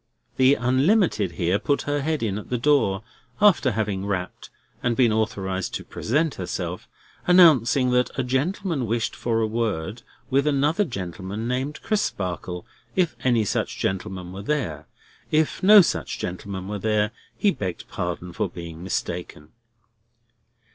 The Unlimited here put her head in at the door—after having rapped, and been authorised to present herself—announcing that a gentleman wished for a word with another gentleman named Crisparkle, if any such gentleman were there. If no such gentleman were there, he begged pardon for being mistaken.